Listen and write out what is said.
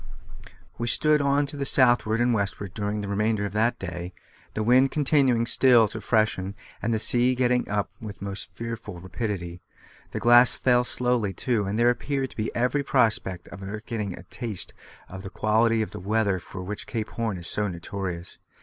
We stood on to the southward and westward during the remainder of that day, the wind continuing still to freshen, and the sea getting up with most fearful rapidity. The glass fell slowly too, and there appeared to be every prospect of our getting a taste of the quality of the weather for which Cape Horn is so notorious.